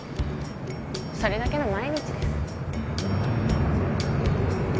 それだけの毎日です。